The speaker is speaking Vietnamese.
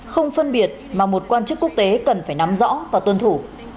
không phân biệt mà một quan chức quốc tế cần phải nắm rõ và tuân thủ